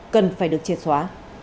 cần phải được chết xóa